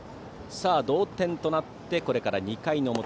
同点となってこれから２回の表。